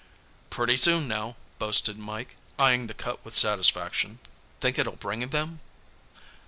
"Pretty soon, now," boasted Mike, eyeing the cut with satisfaction. "Think it'll bring them?"